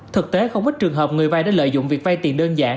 thực tế không ít trường hợp người vay đã lợi dụng việc vay tiền đơn giản